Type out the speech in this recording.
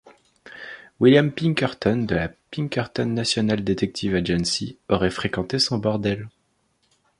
William Pinkerton, de la Pinkerton National Detective Agency, aurait fréquenté son bordel.